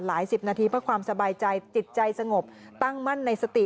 ๑๐นาทีเพื่อความสบายใจจิตใจสงบตั้งมั่นในสติ